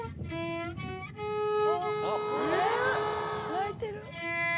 泣いてる？